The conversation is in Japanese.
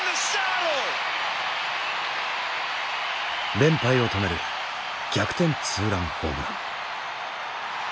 連敗を止める逆転ツーランホームラン。